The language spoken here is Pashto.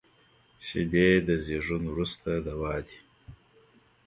شیدې د زیږون وروسته دوا دي